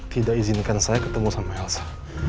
tidak izinkan saya ketemu sama elsa